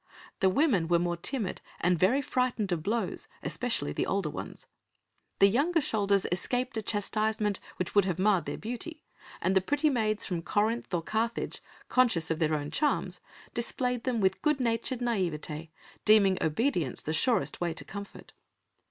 The women were more timid and very frightened of blows, especially the older ones; the younger shoulders escaped a chastisement which would have marred their beauty, and the pretty maids from Corinth or Carthage, conscious of their own charms, displayed them with good natured naïveté, deeming obedience the surest way to comfort.